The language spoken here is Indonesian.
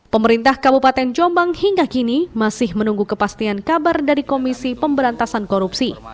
pemerintah kabupaten jombang hingga kini masih menunggu kepastian kabar dari komisi pemberantasan korupsi